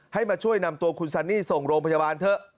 ให้มาช่วยนำตัวคุณซันนี่ส่งโรงพยาบาลเถอะ